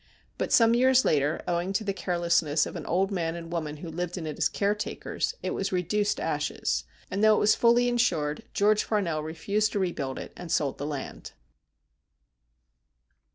But some years later, owing to the carelessness of an old man and woman who lived in it as caretakers, it was reduced to ashes, and though it was fully insured, George Farnell refused to re build it, and sold the land.